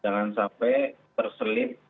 jangan sampai terselip sedikitpun niatnya